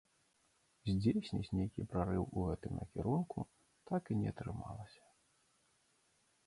Здзейсніць нейкі прарыў у гэтым накірунку так і не атрымалася.